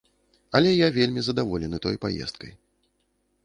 Але я вельмі задаволены той паездкай.